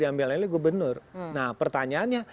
diambil oleh gubernur nah pertanyaannya